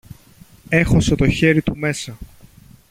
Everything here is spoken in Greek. έχωσε το χέρι του μέσα